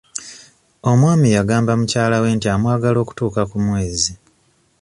Omwami yagamba mukyala we nti amwagala okutuuka ku mwezi.